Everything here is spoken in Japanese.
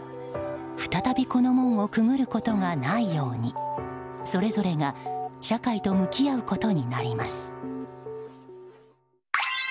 再び、この門をくぐることがないようにそれぞれが社会と向き合うことになります。